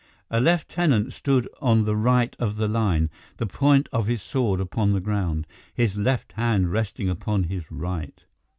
A lieutenant stood at the right of the line, the point of his sword upon the ground, his left hand resting upon his right.